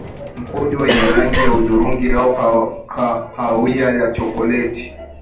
Mkojo wenye rangi ya hudhurungi au kahawia au chokoleti